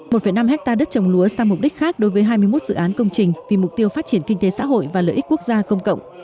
một năm ha đất trồng lúa sang mục đích khác đối với hai mươi một dự án công trình vì mục tiêu phát triển kinh tế xã hội và lợi ích quốc gia công cộng